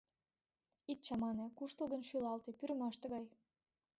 Ит чамане, куштылгын шӱлалте — Пӱрымаш тыгай.